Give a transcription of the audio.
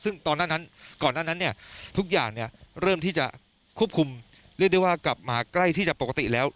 ซึ่งก่อนนั้นทุกอย่างเริ่มที่จะควบคุมเรียกได้ว่ากลับมาใกล้ที่จะปกติแล้ว